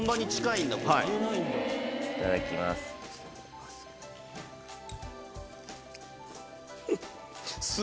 いただきます。